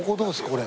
これ。